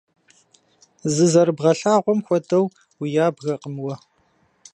Зызэрыбгъэлъагъуэм хуэдэу уябгэкъым уэ.